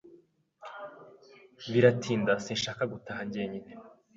Biratinda. Sinshaka gutaha jyenyine.